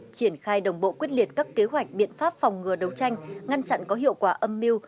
triển khai đồng bộ quyết liệt các kế hoạch biện pháp phòng ngừa đấu tranh ngăn chặn có hiệu quả âm mưu